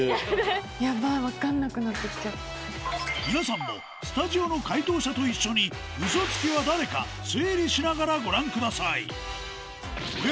皆さんもスタジオの解答者と一緒にウソつきは誰か推理しながらご覧下さいお宿